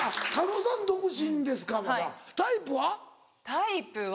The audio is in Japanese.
タイプは？